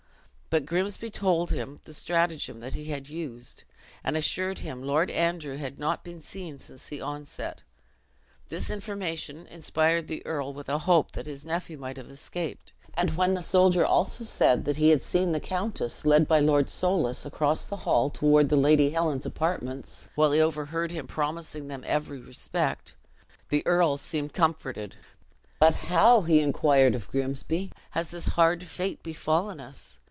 But Grimsby told him the strategem he had used, and assured him Lord Andrew had not been seen since the onset. This information inspired the earl with a hope that his nephew might have escaped: and when the soldier also said, that he had seen the countess led by Lord Soulis across the hall toward the Lady Helen's apartments, while he overheard him promising them every respect, the earl seemed comforted. "But how," inquired he of Grimsby, "has this hard fate befallen us?